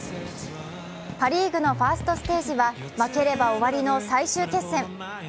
パ・リーグのファーストステージは負ければ終わりの最終決戦。